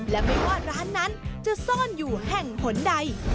และไม่ว่าร้านนั้นจะซ่อนอยู่แห่งผลใด